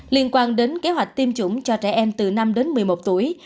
liên quan đến kế hoạch tiêm chủng cho trẻ em từ năm đến một mươi một tuổi